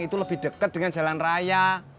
itu lebih dekat dengan jalan raya